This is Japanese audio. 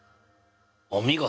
お見事！